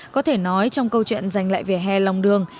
có thể nói trong câu chuyện dành lại vỉa hè lòng đường